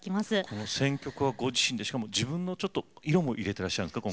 この選曲はご自身でしかも自分の色も入れてらっしゃるんですか？